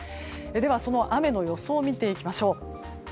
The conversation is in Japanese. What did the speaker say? では、その雨の予想を見ていきましょう。